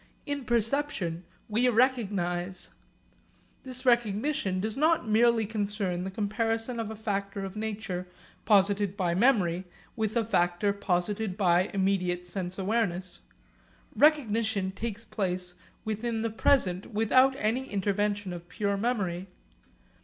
In perception we recognise. This recognition does not merely concern the comparison of a factor of nature posited by memory with a factor posited by immediate sense awareness. Recognition takes place within the present without any intervention of pure memory.